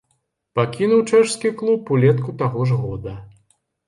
Пакінуў чэшскі клуб улетку таго ж года.